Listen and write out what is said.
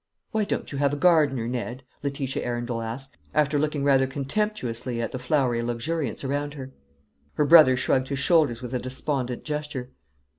"Why don't you have a gardener, Ned?" Letitia Arundel asked, after looking rather contemptuously at the flowery luxuriance around her. Her brother shrugged his shoulders with a despondent gesture.